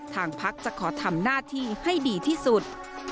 ทางพักจะขอทำหน้าที่ให้ดีที่สุด